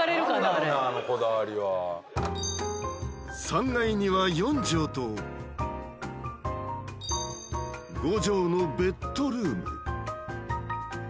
あのこだわりは３階には４畳と５畳のベッドルーム